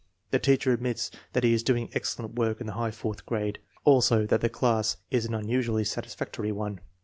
The teacher admits that he is doing excellent work in the high fourth grade, also that the class is an unusually satisfactory one.